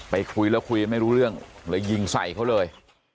คุยแล้วคุยไม่รู้เรื่องเลยยิงใส่เขาเลย